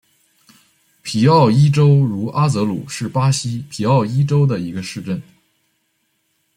皮奥伊州茹阿泽鲁是巴西皮奥伊州的一个市镇。